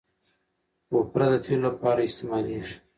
کوپره د تېلو لپاره استعمالیږي.